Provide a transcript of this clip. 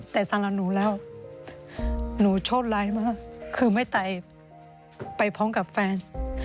แต่สำหรับหนูแล้วหนูโชคร้ายมากคือไม่ตายไปพร้อมกับแฟน